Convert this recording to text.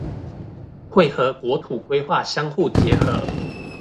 會和國土規劃相互結合